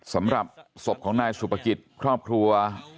สำหรับศพของนายสุภกิจครอบครัว